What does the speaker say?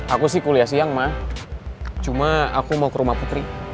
aku sih kuliah siang mah cuma aku mau ke rumah putri